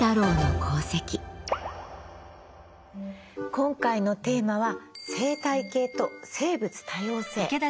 今回のテーマは「生態系と生物多様性」。